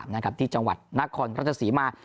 ๒๐๑๓นะครับที่จังหวัดนักคลรัฐศรีมา